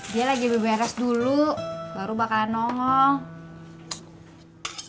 dia lagi beberes dulu baru bakal nongol